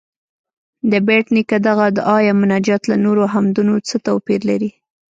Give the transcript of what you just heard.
د بېټ نیکه دغه دعا یا مناجات له نورو حمدونو څه توپیر لري؟